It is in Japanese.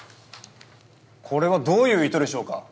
・これはどういう意図でしょうか。